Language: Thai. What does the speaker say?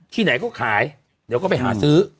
ที่ไหนก็ขายเดี๋ยวก็ไปหาซื้อ